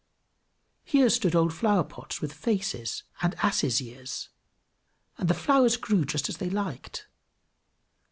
Here stood old flower pots with faces and asses' ears, and the flowers grew just as they liked.